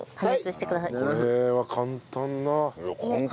これは簡単な。